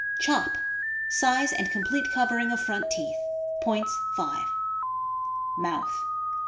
Chop. — Size and complete covering of front teeth. Points, 5. Mouth.